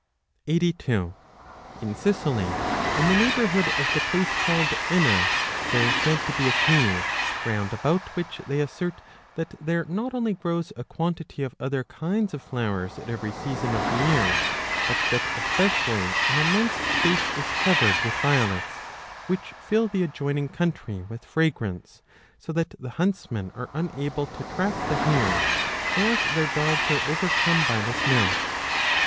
82 In Sicily, in the neighbourhood of the place called Enna, 1 there is said to be a cave, round about which 15 they assert that there not only grows a quantity of other kinds of flowers at every season of the year, but that especially an immense space is covered with violets, which fill the adjoining country with fragrance, so that the hunts men are unable to track the hares, as their dogs are overcome by the smell.